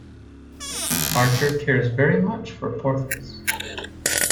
Archer cares very much for Porthos.